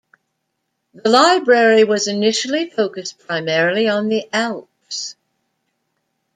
The Library was initially focused primarily on the Alps.